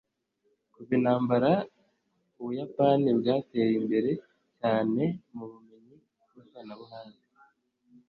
kuva intambara, ubuyapani bwateye imbere cyane mubumenyi n'ikoranabuhanga